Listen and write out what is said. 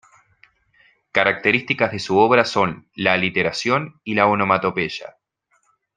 Características de su obra son la aliteración y la onomatopeya.